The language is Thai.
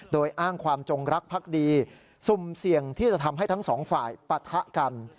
โดยอ้างความจงรักพักดีสุ่มเสี่ยงที่จะทำให้ทั้งสองฝ่ายปะทะกัน